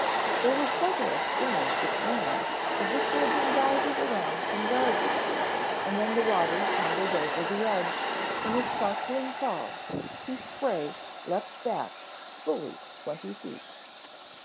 There were several streams which ran as if they had been guided around some gardens and then the water tumbled over the edge in a sparkling fall whose spray leaped back fully twenty feet.